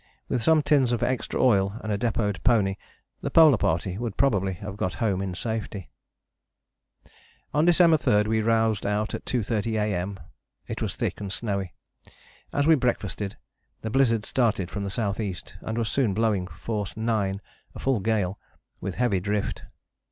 With some tins of extra oil and a depôted pony the Polar Party would probably have got home in safety. On December 3 we roused out at 2.30 A.M. It was thick and snowy. As we breakfasted the blizzard started from the south east, and was soon blowing force 9, a full gale, with heavy drift.